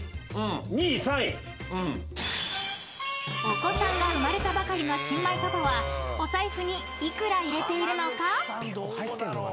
［お子さんが生まれたばかりの新米パパはお財布に幾ら入れているのか？］